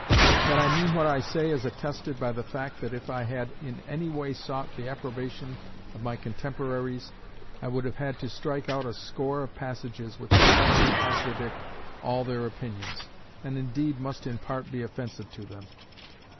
That I mean what I say is attested by the fact that if I had in any way sought the approbation of my contemporaries, I would have had to strike out a score of passages which entirely contradict all their opinions, and indeed must in part be offensive to them.